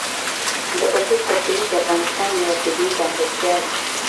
د اوبو سرچینې د افغانستان یوه طبیعي ځانګړتیا ده.